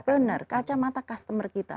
benar kacamata customer kita